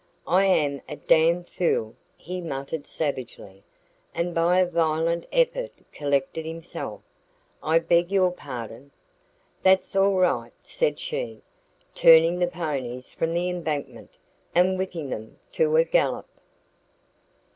"I am a damned fool!" he muttered savagely, and by a violent effort collected himself. "I beg your pardon." "That's all right," she said, turning the ponies from the embankment and whipping them to a gallop.